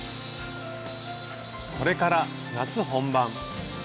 これから夏本番！